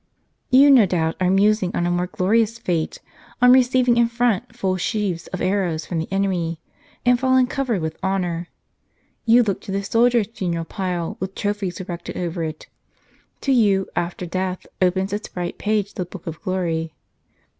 You no doubt are musing on a more glorious fate, on receiving in front full sheaves of arrows from the enemy, and falling covered with honor. You look to the soldier's funeral pile, with trophies erected over it. To you, after death, opens its bright page the book of glory."